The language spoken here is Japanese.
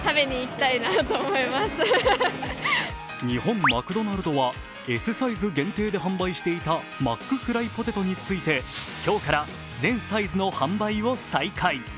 日本マクドナルドはＳサイズ限定で販売していたマックフライポテトについて今日から全サイズの販売を再開。